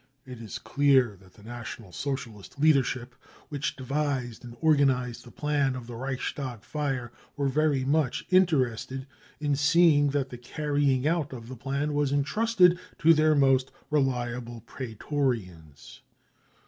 It is clear that the National Socialist leader ship which devised and organised the plan of the Reichstag fire were very much interested in seeing that the carrying out of the plan was entrusted to their most reliable prse tftrians.